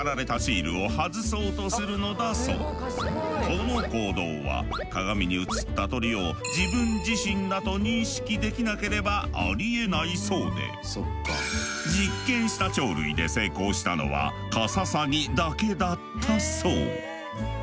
この行動は鏡に映った鳥を自分自身だと認識できなければありえないそうで実験した鳥類で成功したのはカササギだけだったそう。